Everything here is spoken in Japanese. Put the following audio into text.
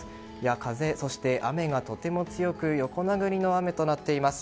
風、雨がとても強く横殴りの雨となっています。